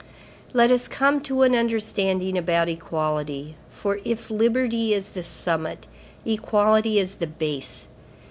Let us come to an understanding about equality; for, if liberty is the summit, equality is the base.